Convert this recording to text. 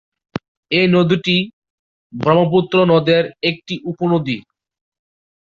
এই নদীটি ব্রহ্মপুত্র নদের একটি উপনদী।